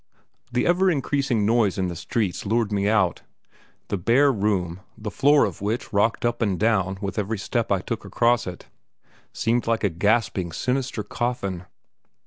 The ever increasing noise in the streets lured me out. The bare room, the floor of which rocked up and down with every step I took across it, seemed like a gasping, sinister coffin.